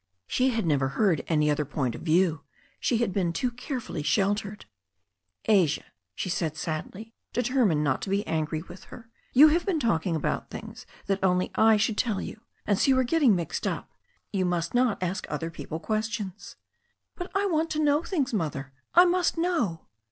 She had never heard any other point of view; she had been too carefully sheltered. "Asia," she said sadly, determined not to be angry with her, "you have been talking about things that only I should tell you, and so you are getting mixed up. You must not ask other people questions." "But I want to know things. Mother. I must know."